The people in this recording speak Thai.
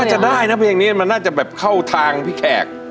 น่าจะได้นะเพลงนี้มันน่าจะแบบเข้าทางพี่แขก